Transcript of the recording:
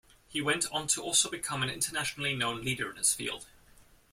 He went on to also become an internationally known leader in his field.